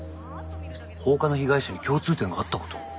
放火の被害者に共通点があった事。